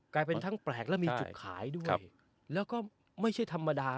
กลายเป็นทั้งแปลกและมีจุดขายด้วยแล้วก็ไม่ใช่ธรรมดา